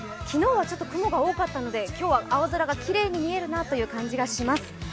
昨日はちょっと雲が多かったので今日は青空がきれいに見えるなという感じがします。